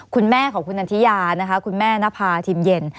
คุณแม่ของคุณนันทิยาคุณแม่นภาถิ่มหย่น